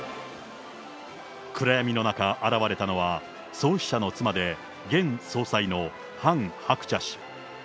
暗闇の中、現れたのは創始者の妻で、現総裁のハン・ハクチャ氏。